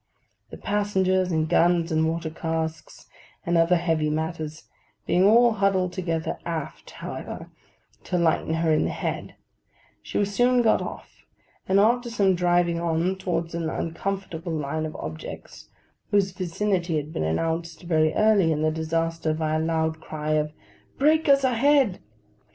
The passengers, and guns, and water casks, and other heavy matters, being all huddled together aft, however, to lighten her in the head, she was soon got off; and after some driving on towards an uncomfortable line of objects (whose vicinity had been announced very early in the disaster by a loud cry of 'Breakers a head!